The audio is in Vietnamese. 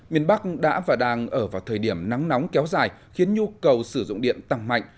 miền bắc đã và đang ở vào thời điểm nắng nóng kéo dài khiến nhu cầu sử dụng điện tăng mạnh